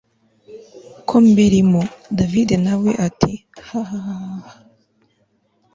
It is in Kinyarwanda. ko mbirimo david nawe ati hahahahah